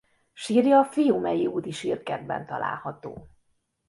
Sírja Fiumei Úti Sírkertben található.